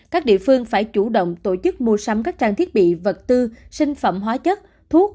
các địa phương phải chủ động tổ chức mua sắm các trang thiết bị vật tư sinh phẩm hóa chất thuốc